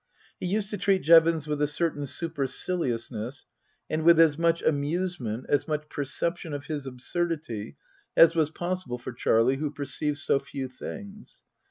He used to treat Jevons with a certain superciliousness, and with as much amusement, as much perception of his absurdity, as was possible for Charlie, who perceived so few things.